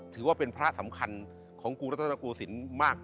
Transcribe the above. ถือว่าเป็นพระสำคัญของกรุงรัฐนโกศิลป์มาก